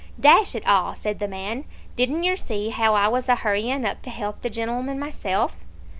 "Dash it all," said the man, "didn't yer see as how I was a hurrying up to help the gen'leman myself?"